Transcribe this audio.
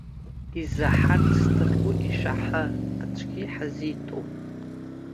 Изаҳарц зҭаху ишәаҳа, аӡәгьы иҳазиҭом!